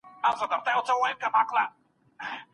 تېر وخت د نن ورځي تجربه ده.